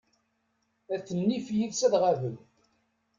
At nnif yid-s ad ɣaben.